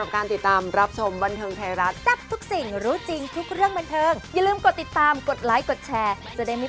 คิดว่าแบบโดมอีกทิศได้กลิ่นเนี่ย